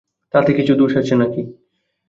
তাতে কিছু দোষ আছে নাকি!